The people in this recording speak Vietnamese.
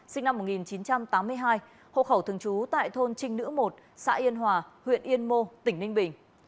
sinh năm một nghìn chín trăm tám mươi hai hộ khẩu thường trú tại thôn trinh nữ một xã yên hòa huyện yên mô tỉnh ninh bình